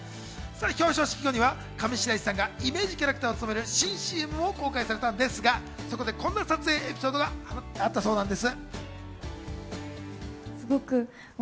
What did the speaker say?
表彰式後には上白石さんがイメージキャラクターを務める、新ＣＭも公開されたんですが、こんな撮影エピソードがあったそうです。